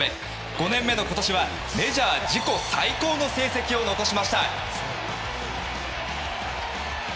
５年目の今年はメジャー自己最高の成績を残しました。